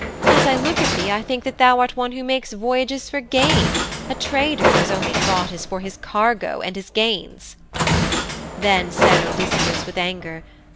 As I look at thee I think that thou art one who makes voyages for gain a trader whose only thought is for his cargo and his gains,' Then said Odysseus with anger.